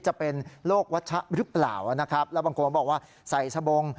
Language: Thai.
จะเป็นโรควัชชะหรือเปล่านะครับแล้วบางคนบอกว่าใส่สบง